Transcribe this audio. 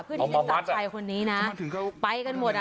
พื้นที่สาชัยคนนี้นะไปกันหมด